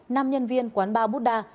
nam nhân viên quán ba buddha